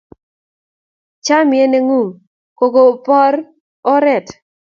chamiet ne ng'un ko u kibor oret